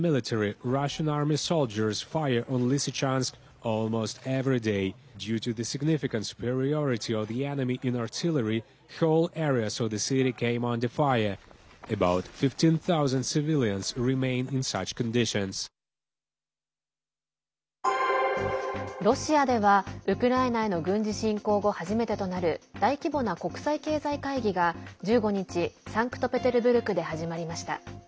ロシアではウクライナへの軍事侵攻後初めてとなる大規模な国際経済会議が１５日、サンクトペテルブルクで始まりました。